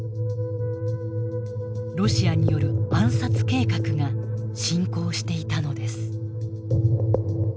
ロシアによる暗殺計画が進行していたのです。